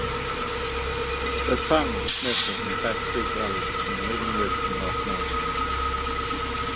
The town is nestled in Back Creek Valley between Leading Ridge and North Mountain.